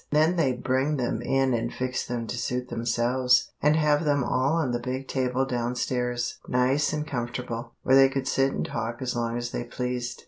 Then they'd bring them in and fix them to suit themselves, and have them all on the big table down stairs, nice and comfortable, where they could sit and talk as long as they pleased.